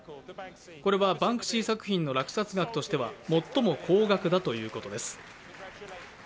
これはバンクシーの落札額としては最も高額だということです。